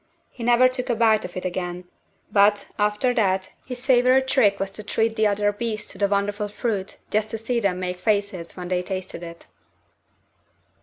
He never took a bite of it again; but, after that, his favourite trick was to treat the other beasts to the wonderful fruit just to see them make faces when they tasted it.